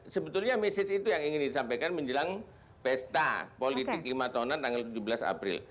sebetulnya message itu yang ingin disampaikan menjelang pesta politik lima tahunan tanggal tujuh belas april